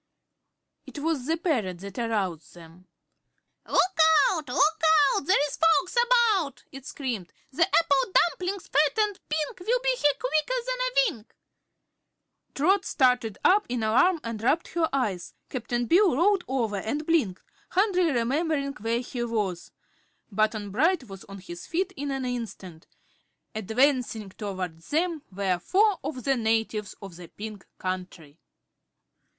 It was the parrot that aroused them. "Look out look out There's folks about!" it screamed; "The apple dumplings, fat and pink, Will be here quicker than a wink!" Trot started up in alarm and rubbed her eyes; Cap'n Bill rolled over and blinked, hardly remembering where he was; Button Bright was on his feet in an instant. Advancing toward them were four of the natives of the Pink Country.